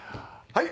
はい。